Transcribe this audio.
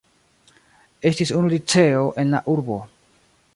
Estis unu liceo en la urbo.